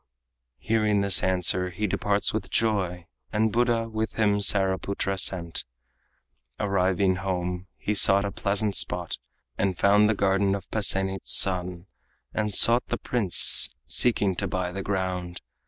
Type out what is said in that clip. Hearing this answer, he departs with joy, And Buddha with him Saraputra sent. Arriving home, he sought a pleasant spot, And found the garden of Pasenit's son, And sought the prince, seeking to buy the ground.